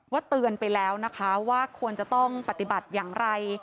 เตือนไปแล้วนะคะว่าควรจะต้องปฏิบัติอย่างไร